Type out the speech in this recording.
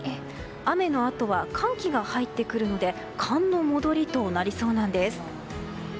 雨のあとは寒気が入ってくるので寒の戻りとなりそうなんです。